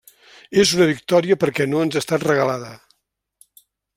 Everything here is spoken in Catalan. És una victòria perquè no ens ha estat regalada.